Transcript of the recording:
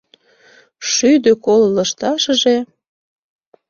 Шӱдӧ коло лышташыже